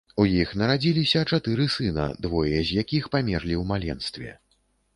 У іх нарадзіліся чатыры сына, двое з якіх памерлі ў маленстве.